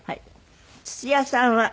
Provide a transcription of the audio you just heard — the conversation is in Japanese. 土屋さんは。